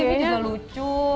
sebelah tv juga lucu